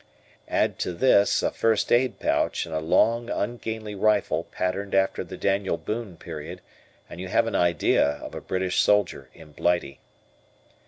Add to this a first aid pouch and a long ungainly rifle patterned after the Daniel Boone period, and you have an idea of a British soldier in Blighty.